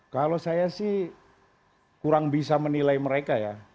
kalau saya sih kurang bisa menilai mereka ya